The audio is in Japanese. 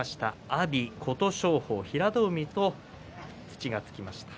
阿炎、琴勝峰、平戸海と土がつきました。